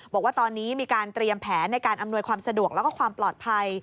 บอกว่าตอนนี้มีการเตรียมแผนในการอำนวยความสะดวกแล้วก็ความปลอดภัย